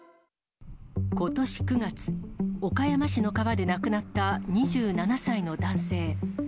ことし９月、岡山市の川で亡くなった２７歳の男性。